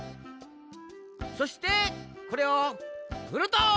そしてこれをふると！